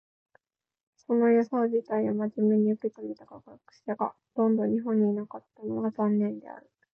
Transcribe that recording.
その予想自体を真面目に受け止めた科学者がほとんど日本にいなかったのは残念である。